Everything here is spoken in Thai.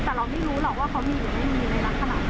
แต่เราไม่รู้หรอกว่าเขามีหรือไม่มีในลักษณะไหน